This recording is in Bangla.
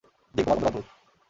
জিম, তোমার বন্ধুরা অদ্ভুত।